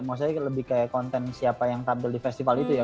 maksudnya lebih kayak konten siapa yang tampil di festival itu ya